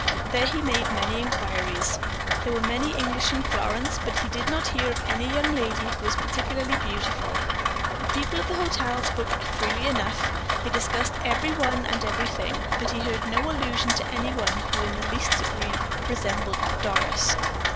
There he made many inquiries. There were many English in Florence, but he did not hear of any young lady who was particularly beautiful. The people at the hotel spoke freely enough; they discussed every one and everything, but he heard no allusion to any one who in the least degree resembled Doris.